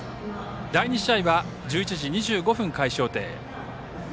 第２試合は１１時２５分開始予定。